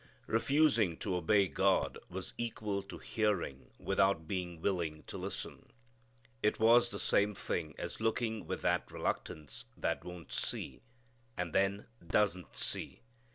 Refusing to obey God was equal to hearing without being willing to listen. It was the same thing as looking with that reluctance that won't see, and then doesn't see.